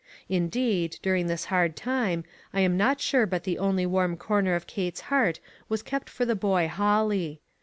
Indeed, during this hard time, I am not sure but the only warm corner of Kate's heart was kept for the boy Holly.